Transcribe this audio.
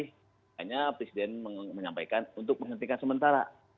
hanya presiden menyampaikan untuk menghentikan sementara